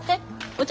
お茶？